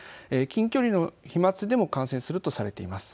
近距離の飛まつでも感染するとされています。